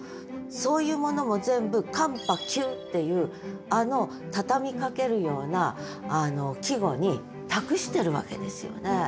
そういうものも全部「寒波急」っていうあの畳みかけるような季語に託してるわけですよね。